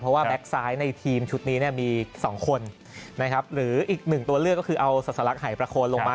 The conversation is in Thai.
เพราะว่าแบล็คซ้ายในทีมชุดนี้มี๒คนหรืออีก๑ตัวเลือกก็คือเอาสัตยารักษณ์ให้ประโคนลงมา